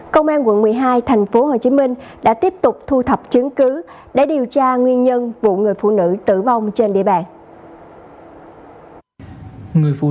cảm ơn quý vị đã theo dõi